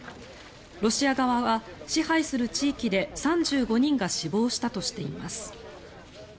ロシア側は支配する地域で３５人が死亡したとしています。